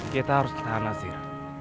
kita harus tahan sir